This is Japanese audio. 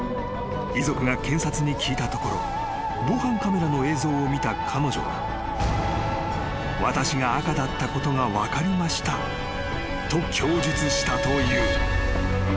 ［遺族が検察に聞いたところ防犯カメラの映像を見た彼女は私が赤だったことが分かりましたと供述したという］